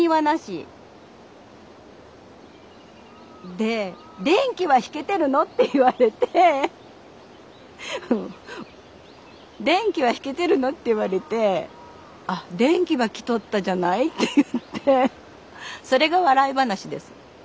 で「電気は引けてるの？」って言われて「電気は引けてるの？」って言われて「あっ電気はきとったじゃない」って言ってそれが笑い話です。